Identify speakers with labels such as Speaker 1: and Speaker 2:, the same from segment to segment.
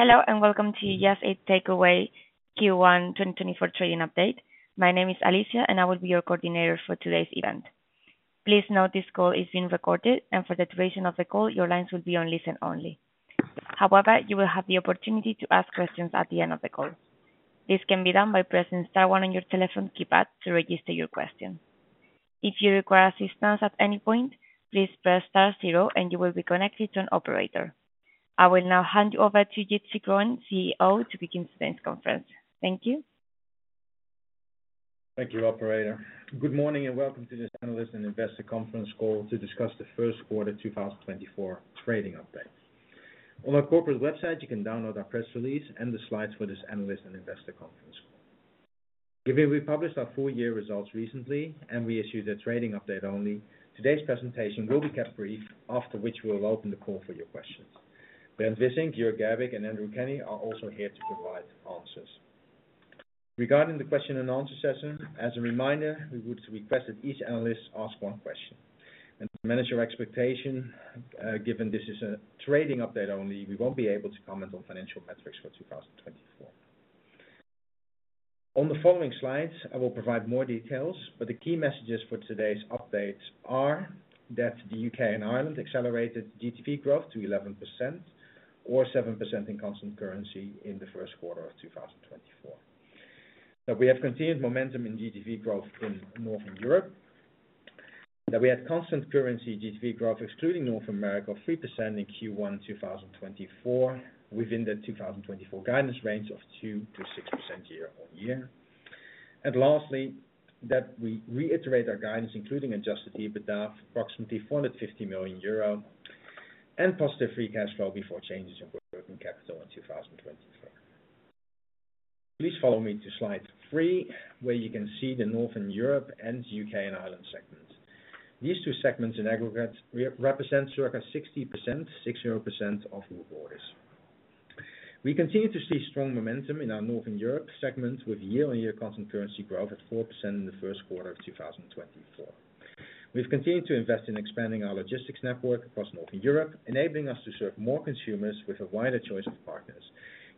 Speaker 1: Hello, and welcome to Just Eat Takeaway Q1 2024 trading update. My name is Alicia, and I will be your coordinator for today's event. Please note this call is being recorded, and for the duration of the call, your lines will be on listen only. However, you will have the opportunity to ask questions at the end of the call. This can be done by pressing star one on your telephone keypad to register your question. If you require assistance at any point, please press star zero and you will be connected to an operator. I will now hand you over to Jitse Groen, CEO, to begin today's conference. Thank you.
Speaker 2: Thank you, operator. Good morning, and welcome to this analyst and investor conference call to discuss the first quarter 2024 trading update. On our corporate website, you can download our press release and the slides for this analyst and investor conference call. Given we published our full year results recently, and we issued a trading update only, today's presentation will be kept brief, after which we'll open the call for your questions. Brent Wissink, Jörg Gerbig, and Andrew Kenny are also here to provide answers. Regarding the question and answer session, as a reminder, we would request that each analyst ask one question. To manage your expectation, given this is a trading update only, we won't be able to comment on financial metrics for 2024. On the following slides, I will provide more details, but the key messages for today's updates are that the U.K. and Ireland accelerated GTV growth to 11% or 7% in constant currency in the first quarter of 2024. That we have continued momentum in GTV growth in Northern Europe. That we had constant currency GTV growth, excluding North America, of 3% in Q1 2024, within the 2024 guidance range of 2%-6% year-on-year. And lastly, that we reiterate our guidance, including adjusted EBITDA, of approximately 450 million euro, and positive free cash flow before changes in working capital in 2024. Please follow me to slide three, where you can see the Northern Europe and U.K. and Ireland segments. These two segments in aggregate represent circa 60%, 60%, of group orders. We continue to see strong momentum in our Northern Europe segment, with year-on-year constant currency growth at 4% in the first quarter of 2024. We've continued to invest in expanding our logistics network across Northern Europe, enabling us to serve more consumers with a wider choice of partners,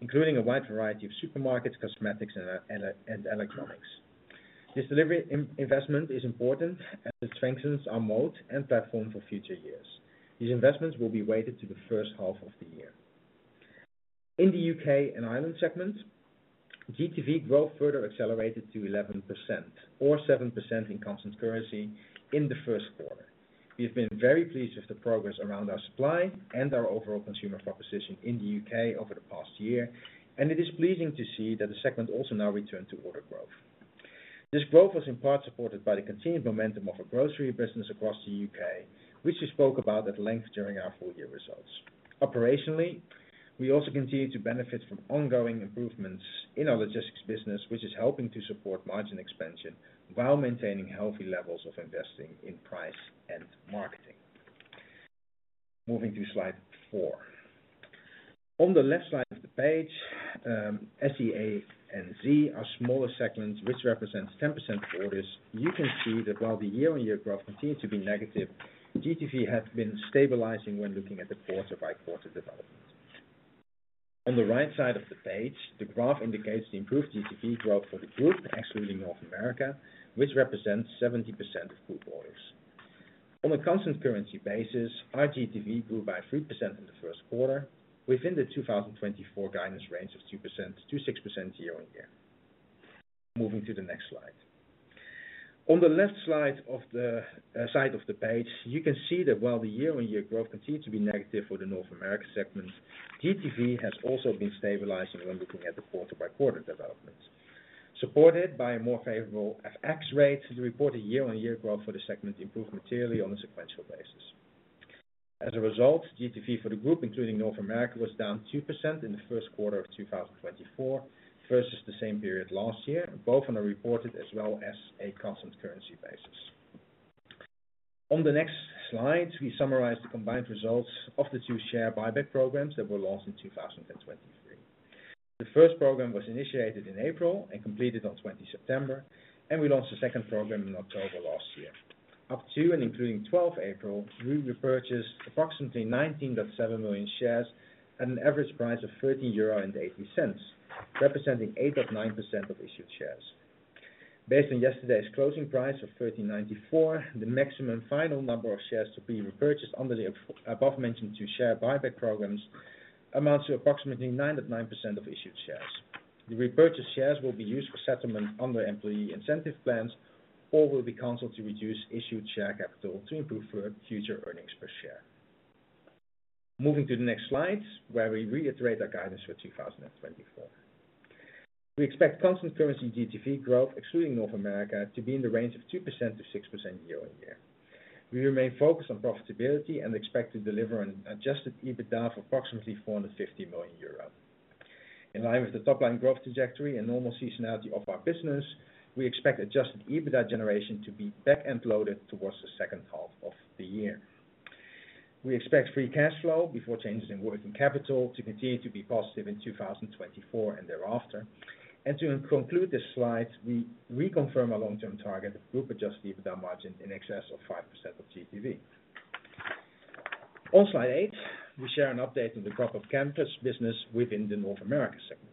Speaker 2: including a wide variety of supermarkets, cosmetics, and electronics. This delivery investment is important as it strengthens our mode and platform for future years. These investments will be weighted to the first half of the year. In the U.K. and Ireland segment, GTV growth further accelerated to 11% or 7% in constant currency in the first quarter. We've been very pleased with the progress around our supply and our overall consumer proposition in the U.K. over the past year, and it is pleasing to see that the segment also now return to order growth. This growth was in part supported by the continued momentum of our grocery business across the U.K., which we spoke about at length during our full year results. Operationally, we also continue to benefit from ongoing improvements in our logistics business, which is helping to support margin expansion while maintaining healthy levels of investing in price and marketing. Moving to slide four. On the left side of the page, SEA and NZ, are smaller segments, which represents 10% of orders. You can see that while the year-on-year growth continues to be negative, GTV has been stabilizing when looking at the quarter-by-quarter development. On the right side of the page, the graph indicates the improved GTV growth for the group, excluding North America, which represents 70% of group orders. On a constant currency basis, our GTV grew by 3% in the first quarter, within the 2024 guidance range of 2%-6% year-on-year. Moving to the next slide. On the left side of the page, you can see that while the year-on-year growth continues to be negative for the North America segment, GTV has also been stabilizing when looking at the quarter-by-quarter developments. Supported by a more favorable FX rate, the reported year-on-year growth for the segment improved materially on a sequential basis. As a result, GTV for the group, including North America, was down 2% in the first quarter of 2024 versus the same period last year, both on a reported as well as a constant currency basis. On the next slide, we summarize the combined results of the two share buyback programs that were launched in 2023. The first program was initiated in April and completed on 20 September, and we launched the second program in October last year. Up to and including 12 April, we repurchased approximately 19.7 million shares at an average price of EUR 13.80, representing 8.9% of issued shares. Based on yesterday's closing price of 13.94, the maximum final number of shares to be repurchased under the above mentioned two share buyback programs amounts to approximately 9.9% of issued shares. The repurchased shares will be used for settlement under employee incentive plans or will be canceled to reduce issued share capital to improve for future earnings per share. Moving to the next slide, where we reiterate our guidance for 2024. We expect constant currency GTV growth, excluding North America, to be in the range of 2%-6% year-on-year. We remain focused on profitability and expect to deliver an adjusted EBITDA of approximately 450 million euro. In line with the top-line growth trajectory and normal seasonality of our business, we expect adjusted EBITDA generation to be back end loaded towards the second half of the year. We expect free cash flow, before changes in working capital, to continue to be positive in 2024 and thereafter. To conclude this slide, we reconfirm our long-term target of group adjusted EBITDA margin in excess of 5% of GTV. On slide eight, we share an update on the Grubhub Campus business within the North America segment.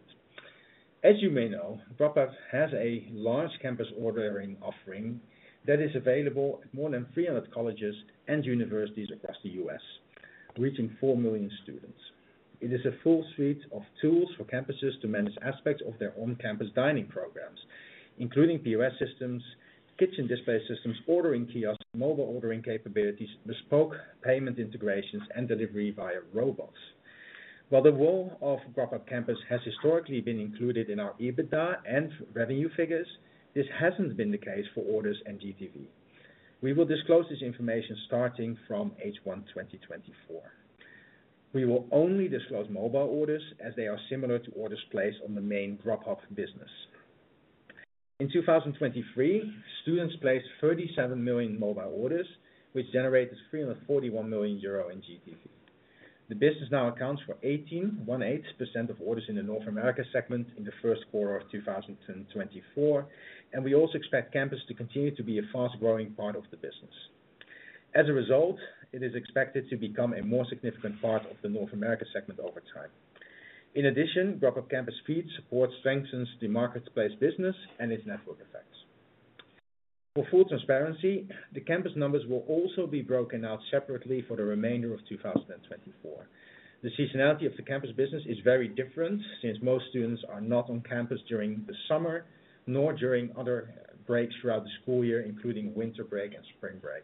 Speaker 2: As you may know, Grubhub has a large campus ordering offering that is available at more than 300 colleges and universities across the U.S., reaching 4 million students. It is a full suite of tools for campuses to manage aspects of their on-campus dining programs, including POS systems, kitchen display systems, ordering kiosks, mobile ordering capabilities, bespoke payment integrations, and delivery via robots. While the role of Grubhub Campus has historically been included in our EBITDA and revenue figures, this hasn't been the case for orders and GTV. We will disclose this information starting from H1 2024. We will only disclose mobile orders, as they are similar to orders placed on the main Grubhub business. In 2023, students placed 37 million mobile orders, which generated 341 million euro in GTV. The business now accounts for 18. 18% of orders in the North America segment in the first quarter of 2024, and we also expect Campus to continue to be a fast-growing part of the business. As a result, it is expected to become a more significant part of the North America segment over time. In addition, Grubhub Campus feeds, supports, strengthens the marketplace business and its network effects. For full transparency, the Campus numbers will also be broken out separately for the remainder of 2024. The seasonality of the Campus business is very different, since most students are not on campus during the summer, nor during other breaks throughout the school year, including winter break and spring break.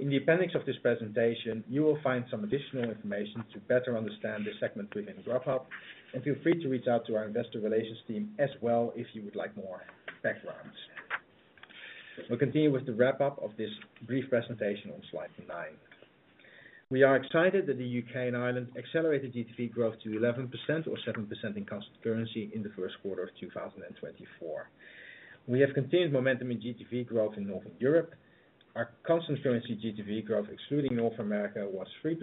Speaker 2: In the appendix of this presentation, you will find some additional information to better understand the segment within Grubhub, and feel free to reach out to our investor relations team as well, if you would like more backgrounds. We'll continue with the wrap-up of this brief presentation on slide nine. We are excited that the U.K. and Ireland accelerated GTV growth to 11% or 7% in constant currency in the first quarter of 2024. We have continued momentum in GTV growth in Northern Europe. Our constant currency GTV growth, excluding North America, was 3%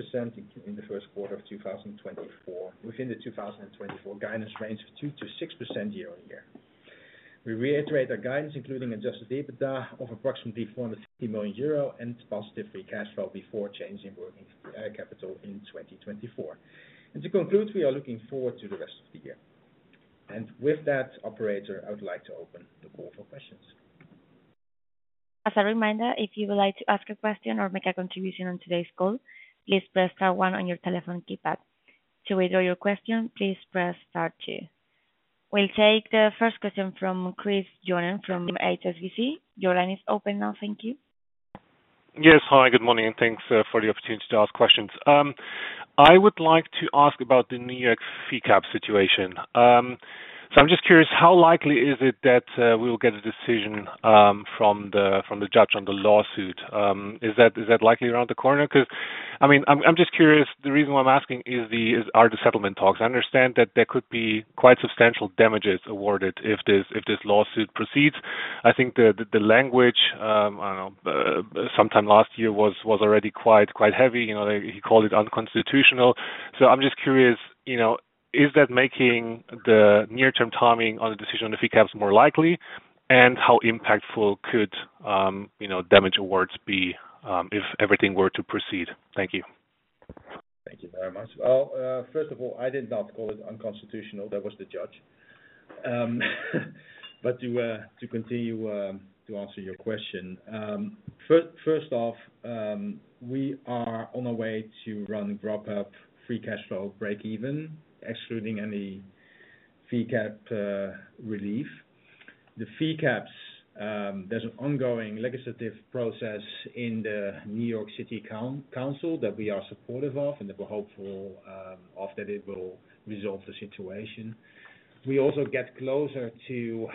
Speaker 2: in the first quarter of 2024, within the 2024 guidance range of 2%-6% year-on-year. We reiterate our guidance, including adjusted EBITDA, of approximately 450 million euro and positive free cash flow before changing working capital in 2024. To conclude, we are looking forward to the rest of the year. With that, operator, I would like to open the call for questions.
Speaker 1: As a reminder, if you would like to ask a question or make a contribution on today's call, please press star one on your telephone keypad. To withdraw your question, please press star two. We'll take the first question from Christopher Johnen from HSBC. Your line is open now. Thank you.
Speaker 3: Yes. Hi, good morning, and thanks for the opportunity to ask questions. I would like to ask about the New York fee cap situation. So I'm just curious, how likely is it that we will get a decision from the judge on the lawsuit? Is that likely around the corner? 'Cause, I mean, I'm just curious, the reason why I'm asking is, are the settlement talks. I understand that there could be quite substantial damages awarded if this lawsuit proceeds. I think the language, I don't know, sometime last year was already quite heavy. You know, he called it unconstitutional. So I'm just curious, you know, is that making the near-term timing on the decision on the fee caps more likely? How impactful could, you know, damage awards be if everything were to proceed? Thank you.
Speaker 2: Thank you very much. Well, first of all, I did not call it unconstitutional. That was the judge. But to continue, to answer your question, first off, we are on our way to run Grubhub Free Cash Flow breakeven, excluding any fee cap relief. The fee caps, there's an ongoing legislative process in the New York City Council that we are supportive of and that we're hopeful of that it will resolve the situation. We also get closer to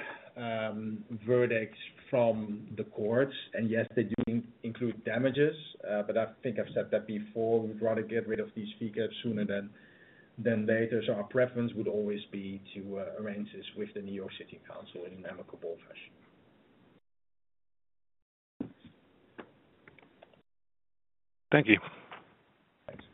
Speaker 2: verdicts from the courts, and yes, they do include damages, but I think I've said that before, we'd rather get rid of these fee caps sooner than later. So our preference would always be to arrange this with the New York City Council in an amicable fashion.
Speaker 3: Thank you.
Speaker 2: Thanks.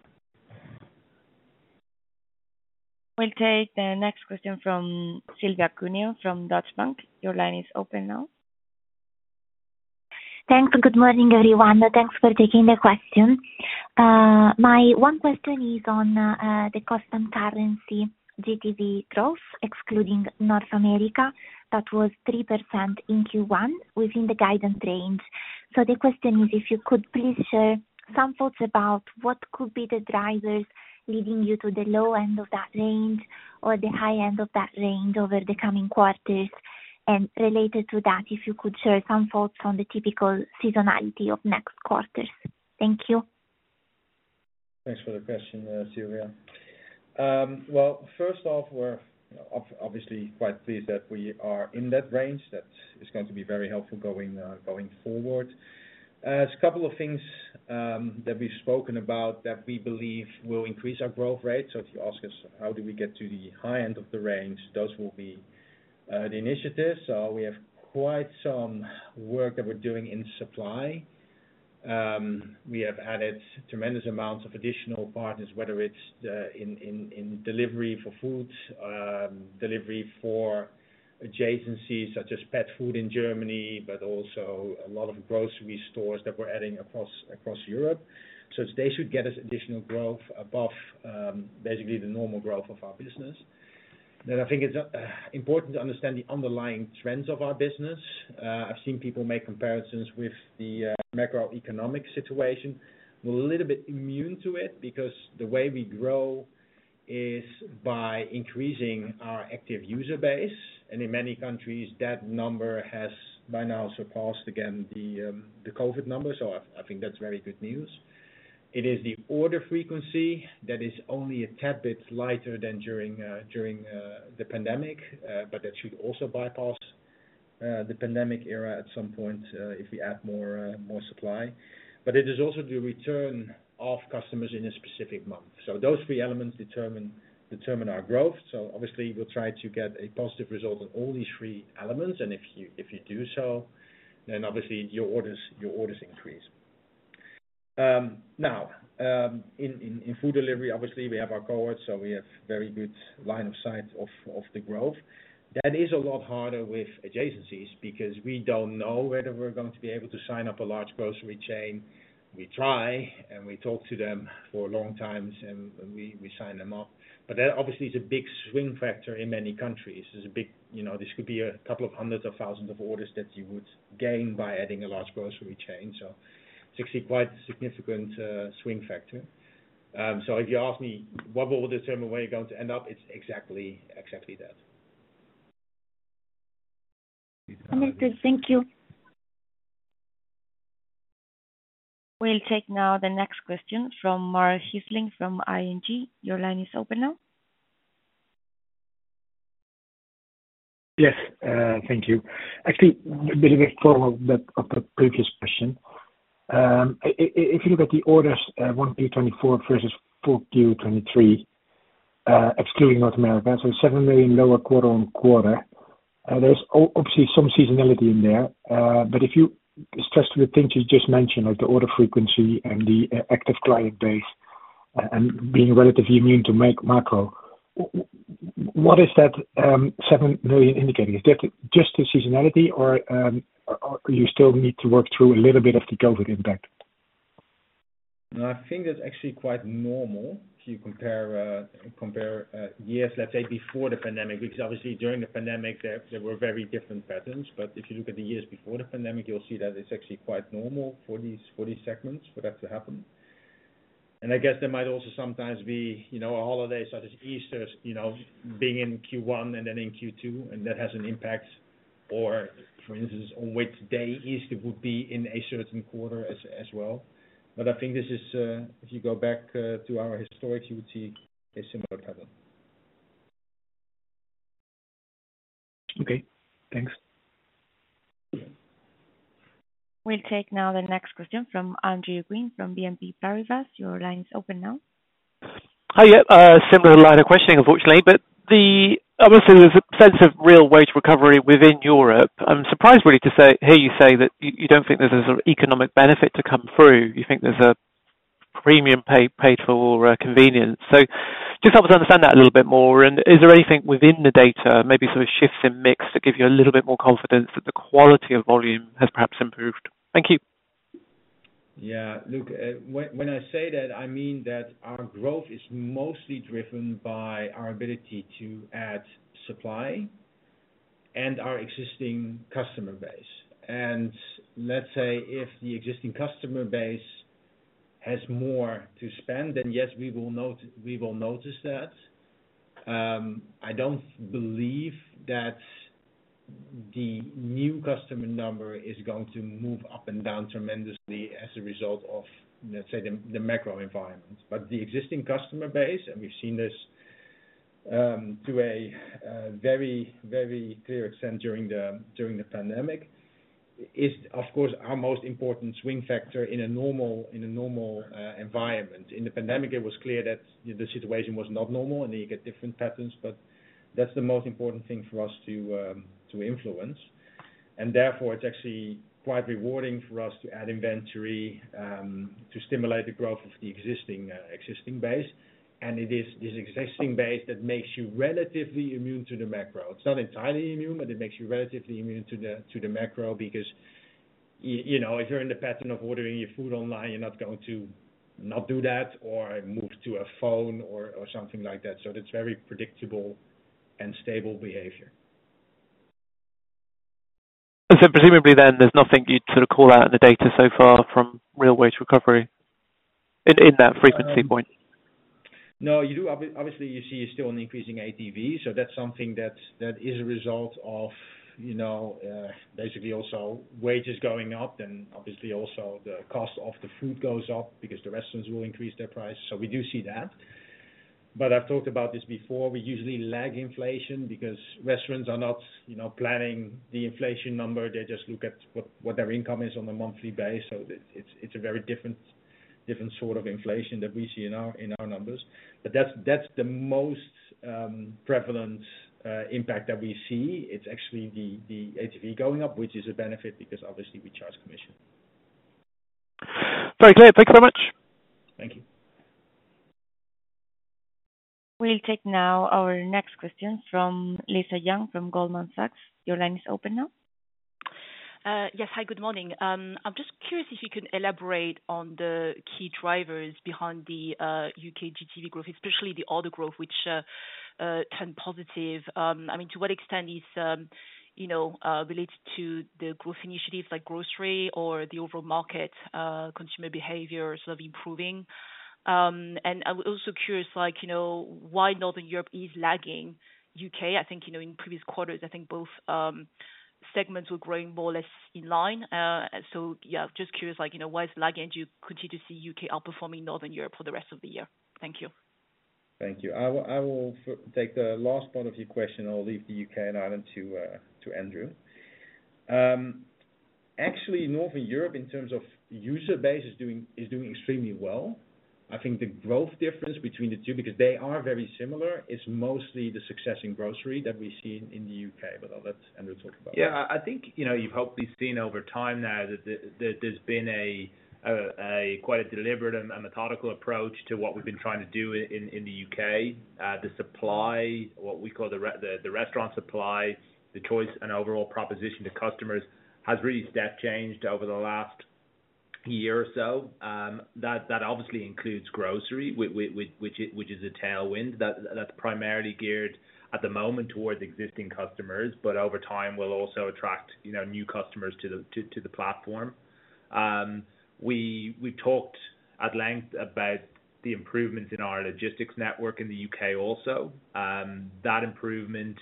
Speaker 1: We'll take the next question from Silvia Cuneo from Deutsche Bank. Your line is open now.
Speaker 4: Thanks, and good morning, everyone, and thanks for taking the question. My one question is on, the constant currency GTV growth, excluding North America. That was 3% in Q1 within the guidance range. So the question is, if you could please share some thoughts about what could be the drivers leading you to the low end of that range or the high end of that range over the coming quarters? And related to that, if you could share some thoughts on the typical seasonality of next quarters. Thank you.
Speaker 2: Thanks for the question, Silvia. Well, first off, we're obviously quite pleased that we are in that range. That is going to be very helpful going forward. There's a couple of things that we've spoken about that we believe will increase our growth rate. So if you ask us, how do we get to the high end of the range? Those will be the initiatives. So we have quite some work that we're doing in supply. We have added tremendous amounts of additional partners, whether it's in delivery for food, delivery for adjacencies, such as pet food in Germany, but also a lot of grocery stores that we're adding across Europe. So they should get us additional growth above basically the normal growth of our business. Then I think it's important to understand the underlying trends of our business. I've seen people make comparisons with the macroeconomic situation. We're a little bit immune to it, because the way we grow is by increasing our active user base, and in many countries, that number has by now surpassed again the COVID numbers, so I think that's very good news. It is the order frequency that is only a tad bit lighter than during the pandemic, but that should also bypass the pandemic era at some point if we add more supply. But it is also the return of customers in a specific month. So those three elements determine our growth, so obviously we'll try to get a positive result on all these three elements, and if you do so, then obviously your orders increase. Now, in food delivery, obviously, we have our cohorts, so we have very good line of sight of the growth. That is a lot harder with adjacencies, because we don't know whether we're going to be able to sign up a large grocery chain. We try, and we talk to them for long times, and we sign them up. But that obviously is a big swing factor in many countries. There's a big, you know, this could be a couple of hundreds of thousands of orders that you would gain by adding a large grocery chain, so it's actually quite a significant swing factor. If you ask me, what will determine where you're going to end up? It's exactly, exactly that.
Speaker 4: Understood. Thank you.
Speaker 1: We'll take now the next question from Marc Hesselink from ING. Your line is open now.
Speaker 5: Yes, thank you. Actually, a bit of a follow-up of the previous question. If you look at the orders, 1Q 2024 versus 4Q 2023, excluding North America, so 7 million lower quarter-on-quarter, there's obviously some seasonality in there. But if you... especially the things you just mentioned, like the order frequency and the active client base, and being relatively immune to macro, what is that 7 million indicating? Is that just the seasonality or you still need to work through a little bit of the COVID impact?
Speaker 2: No, I think that's actually quite normal if you compare years, let's say, before the pandemic, because obviously during the pandemic, there were very different patterns. But if you look at the years before the pandemic, you'll see that it's actually quite normal for these segments, for that to happen. And I guess there might also sometimes be, you know, a holiday such as Easter, you know, being in Q1 and then in Q2, and that has an impact. Or for instance, on which day Easter would be in a certain quarter as well. But I think this is, if you go back to our historics, you would see a similar pattern.
Speaker 5: Okay, thanks.
Speaker 1: We'll take now the next question from Andrew Gwynn from BNP Paribas. Your line is open now.
Speaker 6: Hi, yeah, a similar line of questioning, unfortunately, but obviously, there's a sense of real wage recovery within Europe. I'm surprised, really, to hear you say that you don't think there's a sort of economic benefit to come through. You think there's a premium paid for convenience. So just help us understand that a little bit more, and is there anything within the data, maybe some shifts in mix, to give you a little bit more confidence that the quality of volume has perhaps improved? Thank you.
Speaker 2: Yeah, look, when I say that, I mean that our growth is mostly driven by our ability to add supply and our existing customer base. And let's say if the existing customer base has more to spend, then yes, we will notice that. I don't believe that the new customer number is going to move up and down tremendously as a result of, let's say, the macro environment. But the existing customer base, and we've seen this, to a very, very clear extent during the pandemic, is, of course, our most important swing factor in a normal environment. In the pandemic, it was clear that the situation was not normal, and you get different patterns, but that's the most important thing for us to influence. Therefore, it's actually quite rewarding for us to add inventory, to stimulate the growth of the existing, existing base. And it is this existing base that makes you relatively immune to the macro. It's not entirely immune, but it makes you relatively immune to the macro because you know, if you're in the pattern of ordering your food online, you're not going to not do that or move to a phone or something like that. So that's very predictable and stable behavior.
Speaker 6: Presumably then, there's nothing you'd sort of call out in the data so far from real wage recovery in that frequency point?
Speaker 2: No. Obviously, you see still an increasing ATV, so that's something that is a result of, you know, basically also wages going up, then obviously also the cost of the food goes up, because the restaurants will increase their price. So we do see that. But I've talked about this before, we usually lag inflation, because restaurants are not, you know, planning the inflation number. They just look at what their income is on a monthly basis, so it's a very different sort of inflation that we see in our numbers. But that's the most prevalent impact that we see. It's actually the ATV going up, which is a benefit, because obviously we charge commission.
Speaker 6: Very clear. Thank you so much!
Speaker 2: Thank you.
Speaker 1: We'll take now our next question from Lisa Yang, from Goldman Sachs. Your line is open now.
Speaker 7: Yes. Hi, good morning. I'm just curious if you could elaborate on the key drivers behind the U.K. GTV growth, especially the order growth, which turned positive. I mean, to what extent is you know related to the growth initiatives, like grocery or the overall market, consumer behavior sort of improving? And I'm also curious, like, you know, why Northern Europe is lagging U.K.? I think, you know, in previous quarters, I think both segments were growing more or less in line. So yeah, just curious, like, you know, why it's lagging, do you continue to see U.K. outperforming Northern Europe for the rest of the year? Thank you.
Speaker 2: Thank you. I will take the last part of your question. I'll leave the U.K. and Ireland to Andrew. Actually, Northern Europe, in terms of user base, is doing extremely well. I think the growth difference between the two, because they are very similar, is mostly the success in grocery that we've seen in the U.K., but that's, Andrew will talk about.
Speaker 8: Yeah, I think, you know, you've hopefully seen over time now that there's been a quite deliberate and methodical approach to what we've been trying to do in the U.K. The supply, what we call the restaurant supply, the choice and overall proposition to customers, has really step changed over the last year or so. That obviously includes grocery, which is a tailwind, that's primarily geared, at the moment, towards existing customers, but over time, will also attract, you know, new customers to the platform. We talked at length about the improvements in our logistics network in the U.K. also. That improvement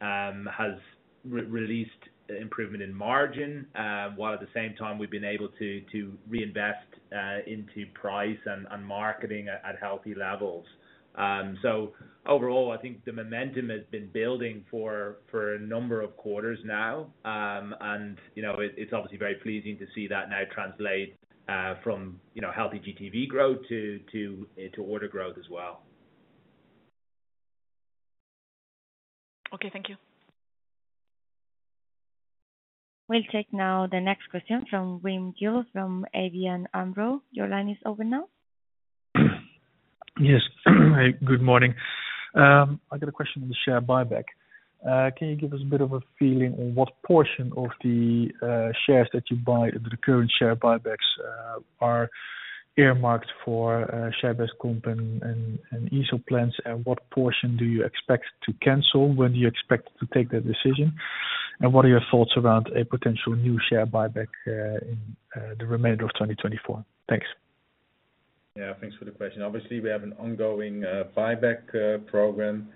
Speaker 8: has realized improvement in margin, while at the same time we've been able to reinvest into price and marketing at healthy levels. So overall, I think the momentum has been building for a number of quarters now. And, you know, it's obviously very pleasing to see that now translate from, you know, healthy GTV growth to order growth as well.
Speaker 7: Okay, thank you.
Speaker 1: We'll take now the next question from Wim Gille from ABN AMRO. Your line is open now.
Speaker 9: Yes. Hi, good morning. I've got a question on the share buyback. Can you give us a bit of a feeling on what portion of the shares that you buy under the current share buybacks are earmarked for share-based comp and equity plans? And what portion do you expect to cancel? When do you expect to take that decision? And what are your thoughts around a potential new share buyback in the remainder of 2024? Thanks.
Speaker 2: Yeah, thanks for the question. Obviously, we have an ongoing buyback program.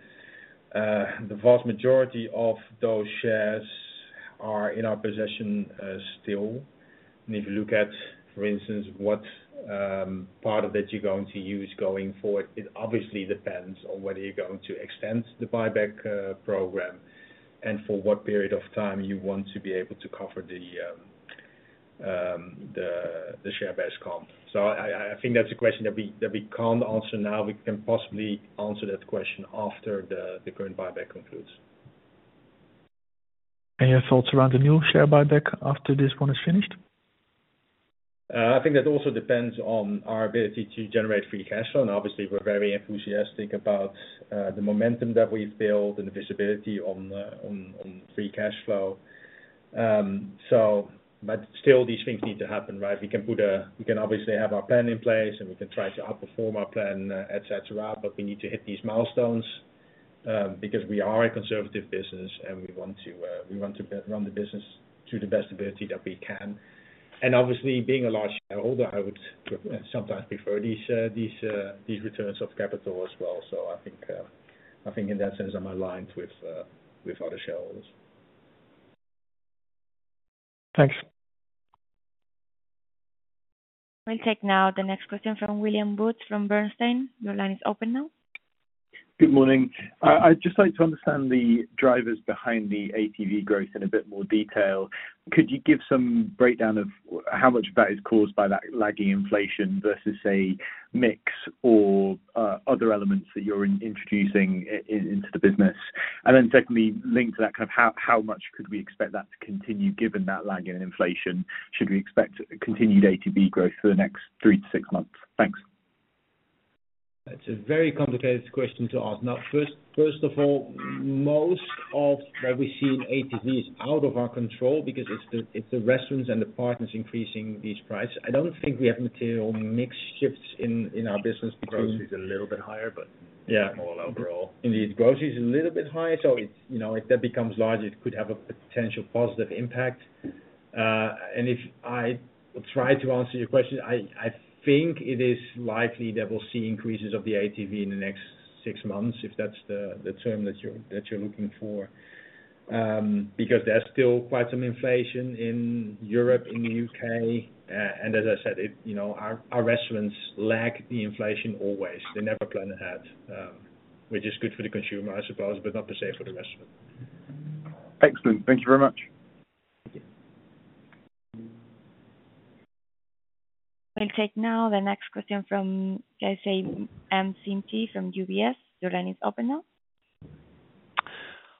Speaker 2: The vast majority of those shares are in our possession still. And if you look at, for instance, what part of that you're going to use going forward, it obviously depends on whether you're going to extend the buyback program, and for what period of time you want to be able to cover the share base comp. So I think that's a question that we can't answer now. We can possibly answer that question after the current buyback concludes.
Speaker 9: Any thoughts around the new share buyback after this one is finished?
Speaker 2: I think that also depends on our ability to generate free cash flow. Obviously, we're very enthusiastic about the momentum that we've built and the visibility on the free cash flow. But still, these things need to happen, right? We can obviously have our plan in place, and we can try to outperform our plan, et cetera, but we need to hit these milestones, because we are a conservative business, and we want to run the business to the best ability that we can. Obviously, being a large shareholder, I would sometimes prefer these returns of capital as well. I think in that sense, I'm aligned with other shareholders.
Speaker 9: Thanks.
Speaker 1: We'll take now the next question from William Woods from Bernstein. Your line is open now.
Speaker 10: Good morning. I'd just like to understand the drivers behind the ATV growth in a bit more detail. Could you give some breakdown of how much of that is caused by that lagging inflation versus, say, mix or other elements that you're introducing into the business? And then secondly, linked to that, kind of how much could we expect that to continue, given that lag in inflation? Should we expect continued ATV growth for the next three to six months? Thanks.
Speaker 2: That's a very complicated question to answer. Now, first of all, most of what we see in ATV is out of our control, because it's the restaurants and the partners increasing these prices. I don't think we have material mix shifts in our business between-
Speaker 8: Grocery is a little bit higher, but-
Speaker 2: Yeah...
Speaker 8: small overall.
Speaker 2: Indeed, grocery is a little bit higher, so it's, you know, if that becomes larger, it could have a potential positive impact. And if I try to answer your question, I think it is likely that we'll see increases of the ATV in the next six months, if that's the term that you're looking for. Because there's still quite some inflation in Europe, in the U.K., and as I said, it, you know, our restaurants lag the inflation always. They never plan ahead, which is good for the consumer, I suppose, but not the same for the restaurant. Excellent. Thank you very much.
Speaker 1: We'll take now the next question from, can I say, Jo Barnet-Lamb from UBS. Your line is open now.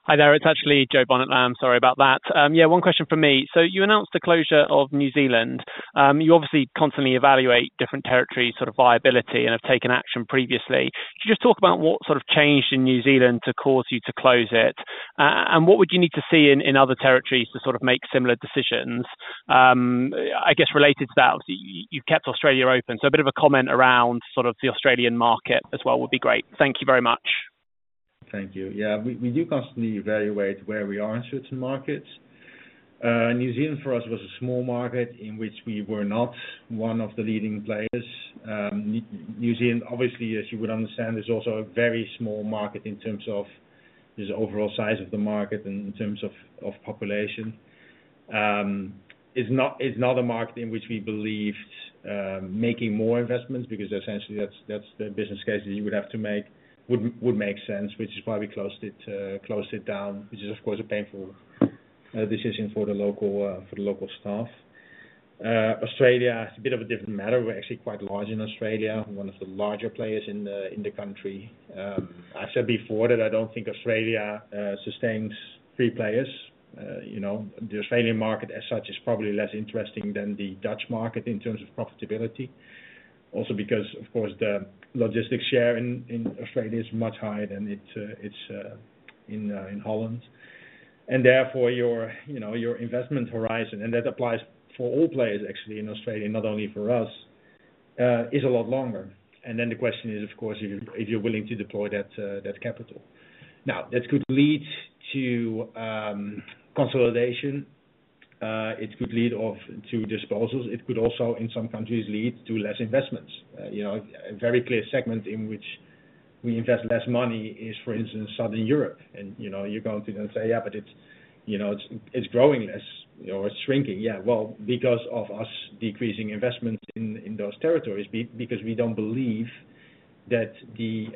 Speaker 11: Hi there. It's actually Jo Barnet-Lamb. I'm sorry about that. Yeah, one question from me. So you announced the closure of New Zealand. You obviously constantly evaluate different territories' sort of viability and have taken action previously. Could you just talk about what sort of changed in New Zealand to cause you to close it? And what would you need to see in other territories to sort of make similar decisions? I guess related to that, obviously, you, you've kept Australia open, so a bit of a comment around sort of the Australian market as well would be great. Thank you very much.
Speaker 2: Thank you. Yeah, we do constantly evaluate where we are in certain markets. New Zealand for us was a small market in which we were not one of the leading players. New Zealand, obviously, as you would understand, is also a very small market in terms of just overall size of the market and in terms of population. It's not a market in which we believed making more investments, because essentially, that's the business case that you would have to make. Would make sense, which is why we closed it, closed it down, which is, of course, a painful decision for the local staff. Australia is a bit of a different matter. We're actually quite large in Australia, one of the larger players in the country. I said before that I don't think Australia sustains three players. You know, the Australian market as such is probably less interesting than the Dutch market in terms of profitability. Also, because of course the logistics share in Australia is much higher than it is in Holland. And therefore you know your investment horizon, and that applies for all players actually in Australia, not only for us, is a lot longer. And then the question is of course if you're willing to deploy that capital. Now that could lead to consolidation. It could lead to disposals. It could also in some countries lead to less investments. You know a very clear segment in which we invest less money is for instance Southern Europe. And, you know, you're going to say, "Yeah, but it's, you know, it's, it's growing less or it's shrinking." Yeah, well, because of us decreasing investments in, in those territories, because we don't believe that the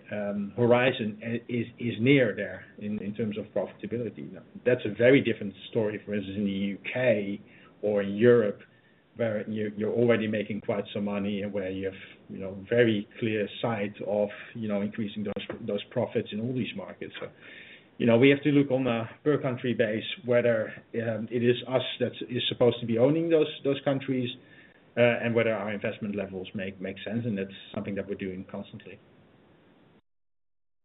Speaker 2: horizon is near there in, in terms of profitability. That's a very different story, for instance, in the U.K. or in Europe, where you're, you're already making quite some money and where you have, you know, very clear sight of, you know, increasing those, those profits in all these markets. So, you know, we have to look on a per country basis, whether it is us that is supposed to be owning those, those countries, and whether our investment levels make, make sense, and that's something that we're doing constantly.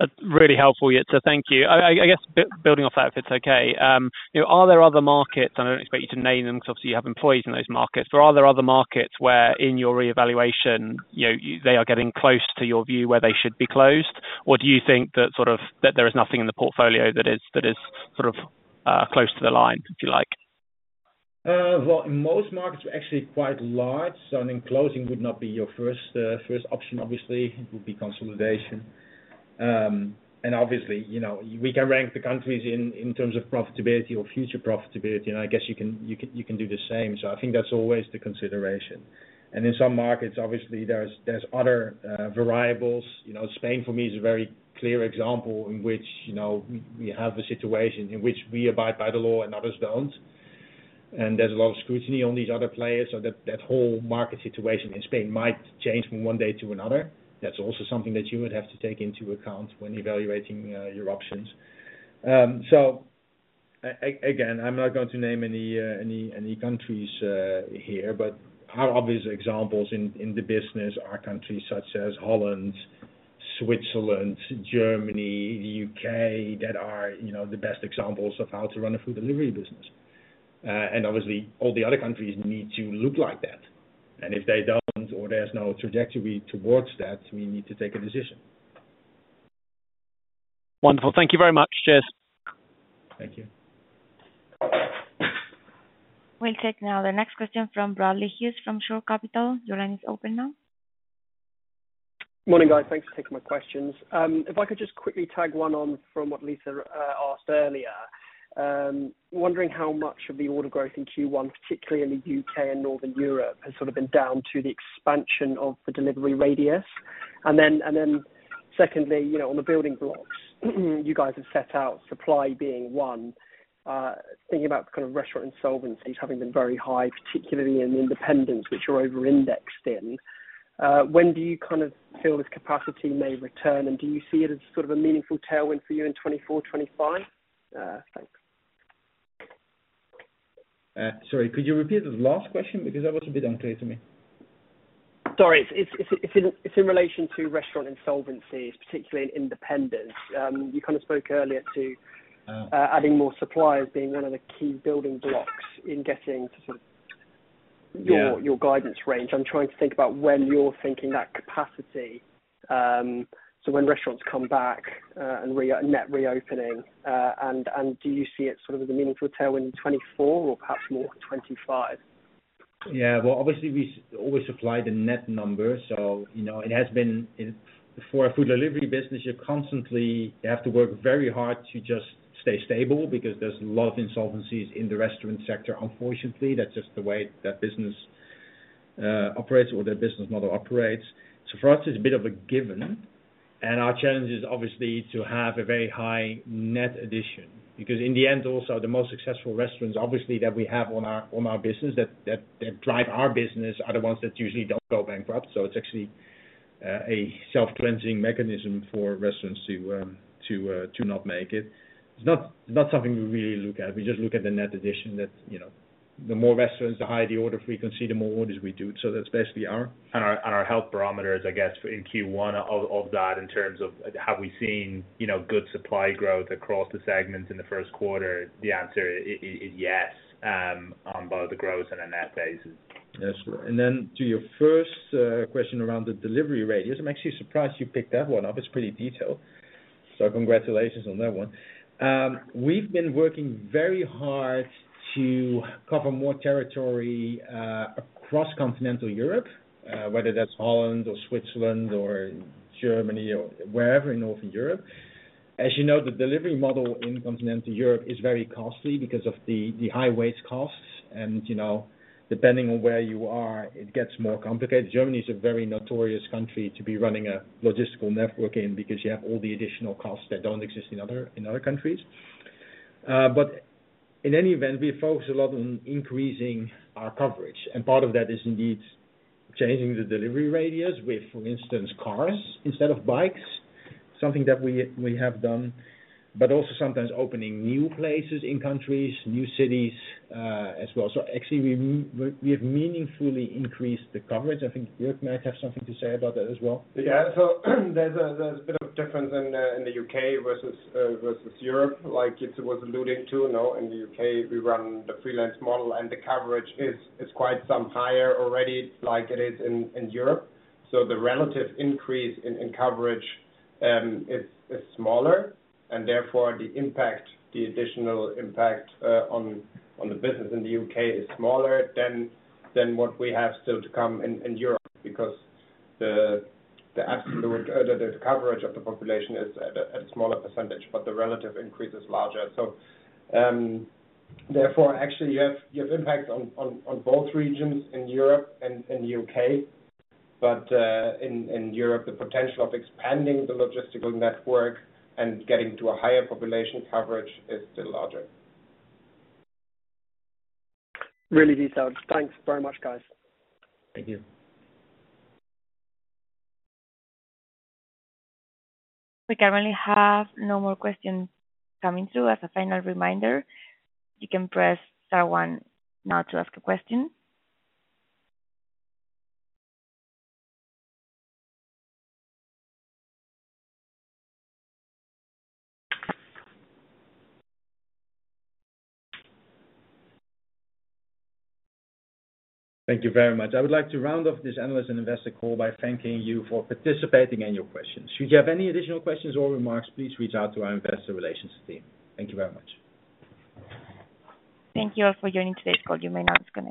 Speaker 11: That's really helpful, yeah, so thank you. I guess building off that, if it's okay, you know, are there other markets? I don't expect you to name them because obviously you have employees in those markets, but are there other markets where in your reevaluation, you know, they are getting close to your view, where they should be closed? Or do you think that sort of, that there is nothing in the portfolio that is, that is sort of, close to the line, if you like?
Speaker 2: Well, most markets are actually quite large, so I think closing would not be your first option obviously, it would be consolidation. And obviously, you know, we can rank the countries in terms of profitability or future profitability, and I guess you can do the same. So I think that's always the consideration. And in some markets, obviously, there's other variables. You know, Spain, for me, is a very clear example in which, you know, we have a situation in which we abide by the law and others don't. And there's a lot of scrutiny on these other players. So that whole market situation in Spain might change from one day to another. That's also something that you would have to take into account when evaluating your options. So again, I'm not going to name any, any, any countries here, but our obvious examples in the business are countries such as Holland, Switzerland, Germany, the U.K., that are, you know, the best examples of how to run a food delivery business. And obviously, all the other countries need to look like that. And if they don't, or there's no trajectory towards that, we need to take a decision.
Speaker 11: Wonderful. Thank you very much. Cheers.
Speaker 2: Thank you.
Speaker 1: We'll take now the next question from Bradley Hughes, from Shore Capital. Your line is open now.
Speaker 12: Morning, guys. Thanks for taking my questions. If I could just quickly tag one on from what Lisa asked earlier. Wondering how much of the order growth in Q1, particularly in the U.K. and Northern Europe, has sort of been down to the expansion of the delivery radius? And then, and then secondly, you know, on the building blocks, you guys have set out supply being one. Thinking about kind of restaurant insolvencies having been very high, particularly in independents, which are over-indexed in, when do you kind of feel this capacity may return? And do you see it as sort of a meaningful tailwind for you in 2024, 2025? Thanks.
Speaker 2: Sorry, could you repeat the last question? Because that was a bit unclear to me.
Speaker 12: Sorry, it's in relation to restaurant insolvencies, particularly in independents. You kind of spoke earlier to-
Speaker 2: Oh.
Speaker 12: - adding more suppliers being one of the key building blocks in getting to sort of-
Speaker 2: Yeah...
Speaker 12: your guidance range. I'm trying to think about when you're thinking that capacity, so when restaurants come back and restaurant reopening, and do you see it sort of as a meaningful tailwind in 2024 or perhaps more 2025?
Speaker 2: Yeah, well, obviously we always supply the net number, so you know, it has been... In for a food delivery business, you're constantly, you have to work very hard to just stay stable, because there's a lot of insolvencies in the restaurant sector. Unfortunately, that's just the way that business operates or their business model operates. So for us, it's a bit of a given, and our challenge is obviously to have a very high net addition. Because in the end, also, the most successful restaurants, obviously, that we have on our, on our business, that, that, that drive our business, are the ones that usually don't go bankrupt. So it's actually a self-cleansing mechanism for restaurants to not make it. It's not something we really look at. We just look at the net addition that, you know, the more restaurants, the higher the order frequency, the more orders we do. So that's basically our-
Speaker 13: Our health barometers, I guess, for Q1 in terms of, have we seen, you know, good supply growth across the segments in the first quarter? The answer is yes, on both a gross and a net basis.
Speaker 2: That's right. And then to your first question around the delivery radius, I'm actually surprised you picked that one up. It's pretty detailed, so congratulations on that one. We've been working very hard to cover more territory across continental Europe, whether that's Holland or Switzerland or Germany or wherever in Northern Europe. As you know, the delivery model in continental Europe is very costly because of the high wage costs and, you know, depending on where you are, it gets more complicated. Germany is a very notorious country to be running a logistical network in, because you have all the additional costs that don't exist in other countries. But in any event, we focus a lot on increasing our coverage, and part of that is indeed changing the delivery radius with, for instance, cars instead of bikes. Something that we have done, but also sometimes opening new places in countries, new cities, as well. So actually, we have meaningfully increased the coverage. I think Jörg might have something to say about that as well.
Speaker 14: Yeah, so there's a bit of difference in the U.K. versus Europe, like Jitse was alluding to. You know, in the U.K., we run the freelance model, and the coverage is quite some higher already like it is in Europe. So the relative increase in coverage is smaller, and therefore the impact, the additional impact on the business in the U.K. is smaller than what we have still to come in Europe. Because the absolute, the coverage of the population is at a smaller percentage, but the relative increase is larger. So, therefore, actually you have impact on both regions in Europe and in the U.K. But, in Europe, the potential of expanding the logistical network and getting to a higher population coverage is still larger.
Speaker 12: Really detailed. Thanks very much, guys.
Speaker 2: Thank you.
Speaker 1: We currently have no more questions coming through. As a final reminder, you can press star one now to ask a question.
Speaker 2: Thank you very much. I would like to round off this analyst and investor call by thanking you for participating and your questions. Should you have any additional questions or remarks, please reach out to our investor relations team. Thank you very much.
Speaker 1: Thank you all for joining today's call. You may now disconnect.